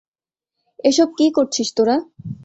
এসব কি করছিস তোরা?